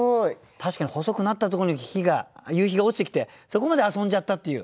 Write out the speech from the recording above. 確かに細くなったところに日が夕日が落ちてきてそこまで遊んじゃったっていう。